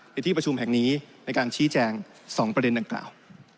ในที่ประชุมแห่งนี้ในการชี้แจง๒ประเด็นดังกล่าว